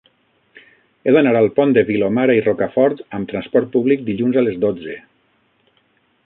He d'anar al Pont de Vilomara i Rocafort amb trasport públic dilluns a les dotze.